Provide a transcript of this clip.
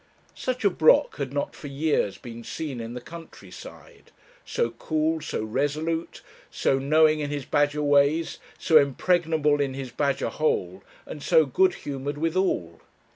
Such a brock had not for years been seen in the country side; so cool, so resolute, so knowing in his badger ways, so impregnable in his badger hole, and so good humoured withal.